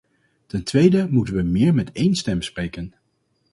Ten tweede moeten we meer met één stem spreken.